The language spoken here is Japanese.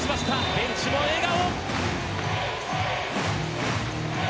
ベンチも笑顔。